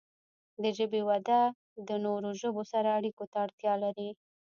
د ژبې وده د نورو ژبو سره اړیکو ته اړتیا لري.